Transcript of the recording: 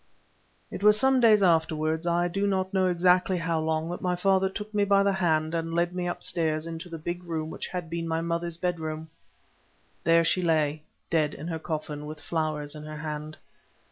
It was some days afterwards, I do not know exactly how long, that my father took me by the hand and led me upstairs into the big room which had been my mother's bedroom. There she lay, dead in her coffin, with flowers in her hand.